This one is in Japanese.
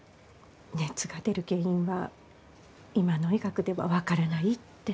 熱が出る原因は今の医学では分からないって。